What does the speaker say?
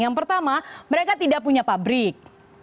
yang pertama mereka tidak punya pabrik